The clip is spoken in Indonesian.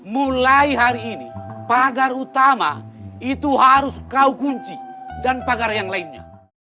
mulai hari ini pagar utama itu harus kau kunci dan pagar yang lainnya